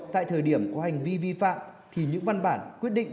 tại thời điểm có hành vi vi phạm thì những văn bản quyết định